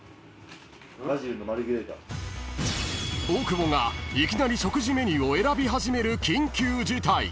［大久保がいきなり食事メニューを選び始める緊急事態］